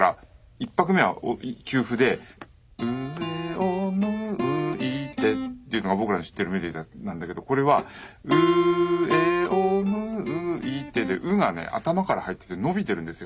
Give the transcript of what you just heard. １拍目は休符で「うえをむいて」っていうのが僕らの知ってるメロディーなんだけどこれは「うえをむいて」で「う」がね頭から入ってて伸びてるんですよ。